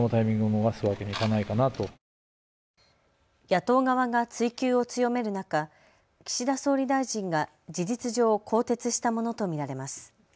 野党側が追及を強める中、岸田総理大臣が事実上、更迭したものと見られます。